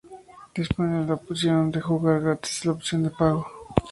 Dispone de la opción de jugar gratis y la opción de pago.